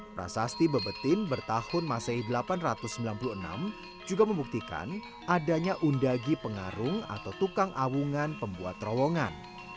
prasasti bebetin bertahun masehi delapan ratus sembilan puluh enam juga membuktikan adanya undagi pengarung atau tukang awungan pembuat terowongan